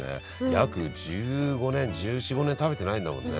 約１５年１４１５年食べてないんだもんね。